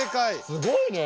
すごいね。